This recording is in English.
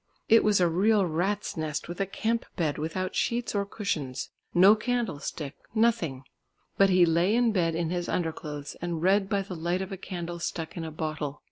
It was a real rats' nest with a camp bed without sheets or cushions. No candlestick, nothing. But he lay in bed in his under clothes and read by the light of a candle stuck in a bottle.